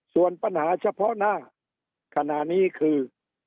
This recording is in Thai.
ส่วนปัญหาเฉพาะหน้าขณะนี้คือ